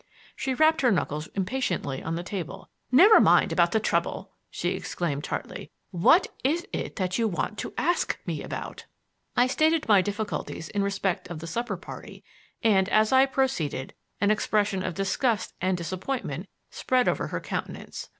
She rapped her knuckles impatiently on the table. "Never mind about the trouble," she exclaimed tartly. "What is it that you want to ask me about?" I stated my difficulties in respect of the supper party, and, as I proceeded, an expression of disgust and disappointment spread over her countenance.